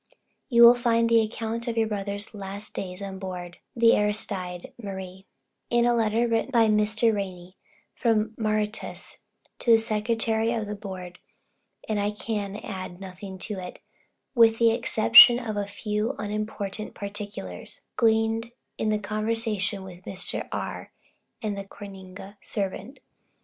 You will find the account of your brother's last days on board the Aristide Marie, in a letter written by Mr. Ranney from Mauritius, to the Secretary of the Board; and I can add nothing to it, with the exception of a few unimportant particulars, gleaned in conversation with Mr. R. and the Coringa servant.